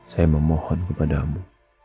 saya memohon kepadamu